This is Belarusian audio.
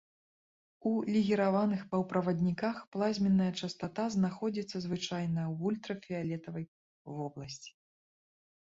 У легіраваных паўправадніках плазменная частата знаходзіцца звычайна ў ультрафіялетавай вобласці.